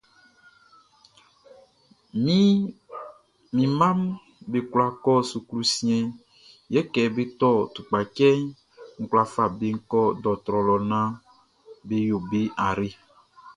Mi mmaʼm be kwla kɔ suklu siɛnʼn, yɛ kɛ be tɔ tukpacɛʼn, n kwla fa be kɔ dɔɔtrɔ lɔ naan be yo be ayre.